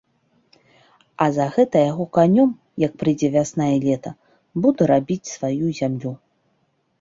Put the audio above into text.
А за гэта яго канём, як прыйдзе вясна і лета, буду рабіць сваю зямлю.